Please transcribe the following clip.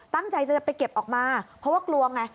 ตั้งใจจะไปเก็บออกมาเพราะว่ากลัวไง